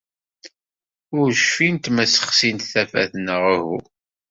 Ur cfint ma ssexsint tafat neɣ uhu.